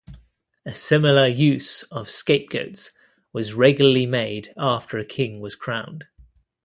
A similar use of scapegoats was regularly made after a king was crowned.